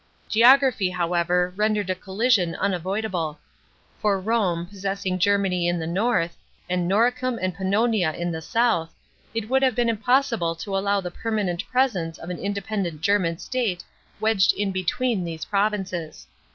Geography, however, rendered a collision unavoidable. For Rome, possessing Germany in the north, and Noricum and Pannonia in the south, it would have been impossible to allow the permanent presence of an independent German state wedged in between these provinces.